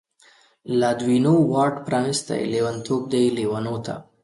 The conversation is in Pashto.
لادوینو واټ پرانستی، لیونتوب دی لیونو ته